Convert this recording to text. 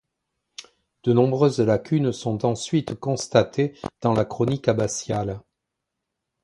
De nombreuses lacunes sont ensuite constatées dans la chronique abbatiale.